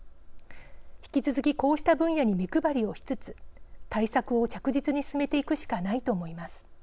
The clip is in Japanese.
引き続きこうした分野に目配りをしつつ対策を着実に進めていくしかないと思います。